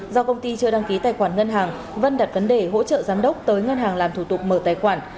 do công ty chưa đăng ký tài khoản ngân hàng vân đặt vấn đề hỗ trợ giám đốc tới ngân hàng làm thủ tục mở tài khoản